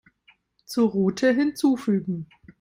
Zur Route hinzufügen.